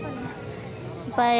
supaya ada solusinya